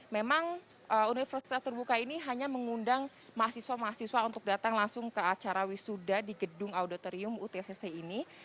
memang universitas terbuka ini hanya mengundang mahasiswa mahasiswa untuk datang langsung ke acara wisuda di gedung auditorium utcc ini